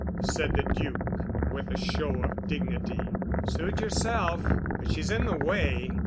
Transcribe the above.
said the Duc with a show of dignity. "Suit yourself. But she's in the way.